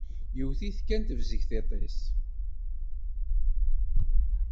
Yewwet-it kan tebzeg tiṭ-is.